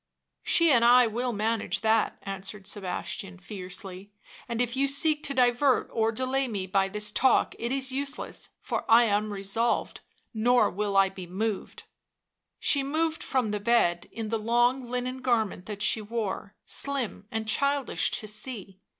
" She and I will manage that," answered Sebastian fiercely; "and if you seek to divert or delay me by this talk it is useless, for I am resolved, nor will I be moved." She moved from the bed, in the long linen garment that she wore, slim and childish to see.